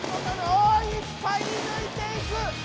おおいっぱいぬいていく！